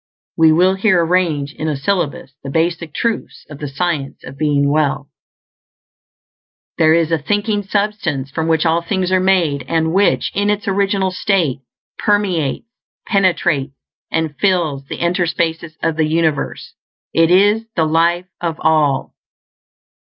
We will here arrange in a syllabus the basic truths of the Science of Being Well: _There is a Thinking Substance from which all things are made, and which, in its original state, permeates, penetrates, and fills the interspaces of the universe. It is the life of All.